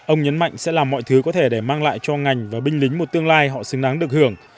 ông nhấn mạnh sẽ làm mọi thứ có thể để mang lại cho ngành và binh lính một tương lai họ xứng đáng được hưởng